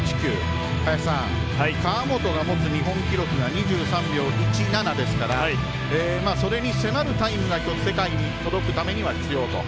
林さん、川本が持つ日本記録が２３秒１７ですからそれに迫るタイムが世界に届くためには必要と。